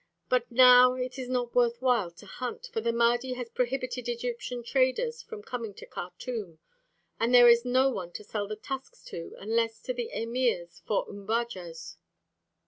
But now it is not worth while to hunt, for the Mahdi has prohibited Egyptian traders from coming to Khartûm, and there is no one to sell the tusks to, unless to the emirs for umbajas."